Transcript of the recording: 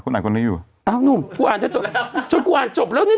คุณอ่านคนไหนอยู่อ้าวนุ่มฉันกูอ่านจบแล้วนี่